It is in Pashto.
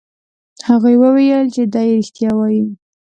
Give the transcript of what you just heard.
هغوی وویل چې دی رښتیا وایي.